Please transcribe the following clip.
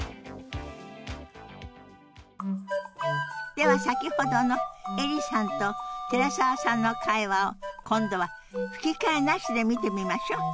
では先ほどのエリさんと寺澤さんの会話を今度は吹き替えなしで見てみましょう。